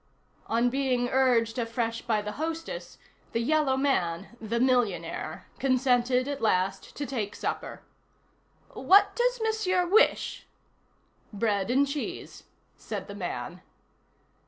On being urged afresh by the hostess, the yellow man, "the millionaire," consented at last to take supper. "What does Monsieur wish?" "Bread and cheese," said the man.